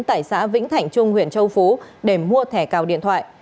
tại xã vĩnh thạnh trung huyện châu phú để mua thẻ cào điện thoại